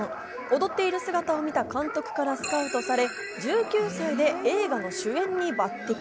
踊ってる姿を見た監督からスカウトされ、１９歳で映画の主演に抜擢。